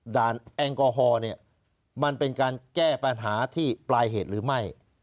แอลกอฮอล์เนี่ยมันเป็นการแก้ปัญหาที่ปลายเหตุหรือไม่